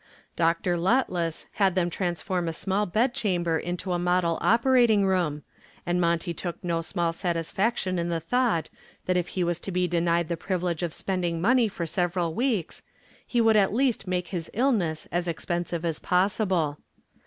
Dr. Lotless had them transform a small bedchamber into a model operating room and Monty took no small satisfaction in the thought that if he was to be denied the privilege of spending money for several weeks, he would at least make his illness as expensive as possible.